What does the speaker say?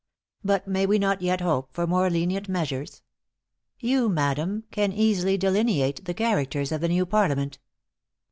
But may we not yet hope for more lenient measures! You, madam, can easily delineate the characters of the new Parliament."